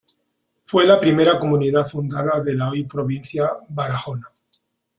Fue la primera comunidad fundada de la hoy provincia Barahona.